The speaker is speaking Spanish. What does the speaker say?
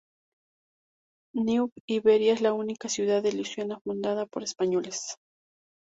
New Iberia es la única ciudad de Luisiana fundada por españoles.